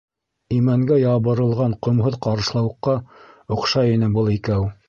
Имәнгә ябырылған ҡомһоҙ ҡарышлауыҡҡа оҡшай ине был икәү.